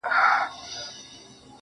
چي ملګري یې اولادونو ته سودا رانیسي